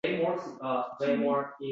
U qanotlarini bo’sh qo’ygan.